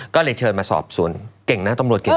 ก็เลยเชิญมาสอบสวนเก่งนะตำรวจเก่ง